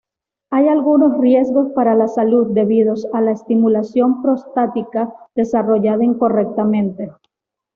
Hay algunos riesgos para la salud debidos a la estimulación prostática desarrollada incorrectamente.